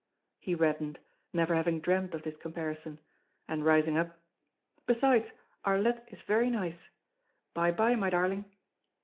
He reddened, never having dreamed of this comparison, and rising up: "Besides, Arlette is very nice. By bye, my darling."